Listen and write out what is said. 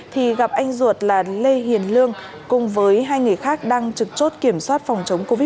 thì gặp anh ruột là lê hiền lương cùng với hai người khác đang trực chốt kiểm soát phòng chống covid một mươi chín